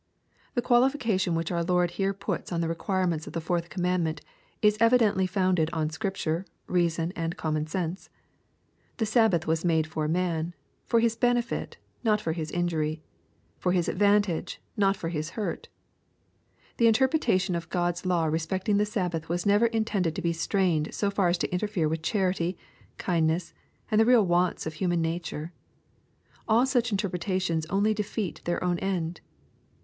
The qualification which our Lord here puts on the requirements of the fourth commandment, is evidently founded on Scripture, reason, and common sense. The Sabbath was made for man, — for his benefit, not for his injury, — for his advantage, not for his hurt. The inter pretation of God's law respecting the Sabbath was never intended to be strained so far as to interfere with charity, kindness, and the real wants of hum^n nature. All such interpretations only defeat their own end.